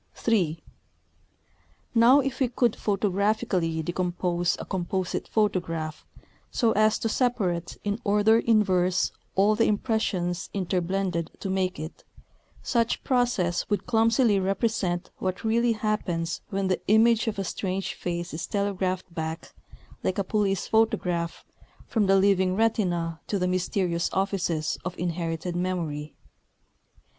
III Now if we could photographically decompose a composite photograph so as to separate in order inverse all the impressions interblended to make it, such process would clumsily represent what really happens when the image of a strange face is telegraphed back like a police photograph from the living retina to the mysterious offices of inherited memory.